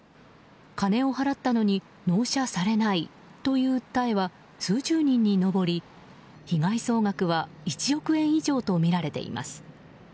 金を払ったのに納車されないという訴えは数十人に上り、被害総額は１億円以上とみられています。